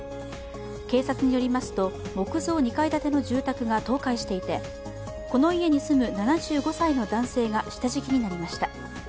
警察によりますと、木造２階建ての住宅が倒壊していて、この家に住む７５歳の男性が下敷きになりました。